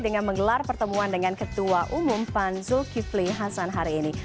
dengan menggelar pertemuan dengan ketua umum pan zulkifli hasan hari ini